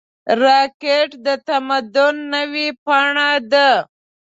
راکټ د تمدن نوې پاڼه ده